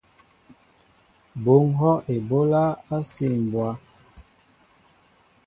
Bŭ ŋhɔʼ eɓólá á sil mbwá.